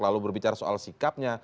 lalu berbicara soal sikapnya